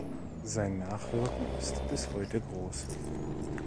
Sein Nachwirken ist bis heute groß.